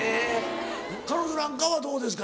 彼女なんかはどうですか？